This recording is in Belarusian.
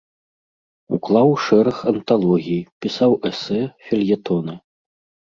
Уклаў шэраг анталогій, пісаў эсэ, фельетоны.